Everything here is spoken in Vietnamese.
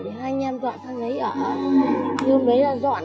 khiến chúng tôi không khỏi đau buồn